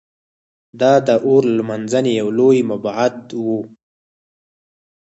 دا د اور لمانځنې یو لوی معبد و